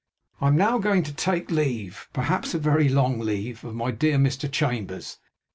I am now going to take leave, perhaps a very long leave, of my dear Mr. Chambers.